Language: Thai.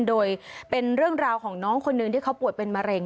โดยเป็นเรื่องราวของน้องคนหนึ่งที่เขาป่วยเป็นมะเร็ง